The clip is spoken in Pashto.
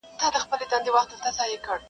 پسرلی وایې جهاني دي پرې باران سي,